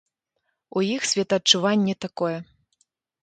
У іх светаадчуванне такое.